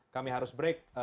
kami harus break